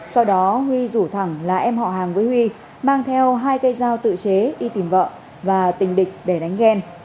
sau đó huy rủ thẳng là em họ hàng với huy mang theo hai cây dao tự chế đi tìm vợ và tình địch để đánh ghen